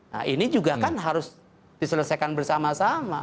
nah ini juga kan harus diselesaikan bersama sama